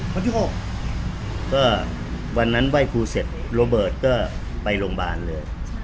วันที่๖ก็วันนั้นไหว้ครูเสร็จโรเบิร์ตก็ไปโรงพยาบาลเลย